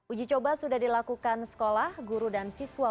uji coba sudah dilakukan sekolah guru dan siswa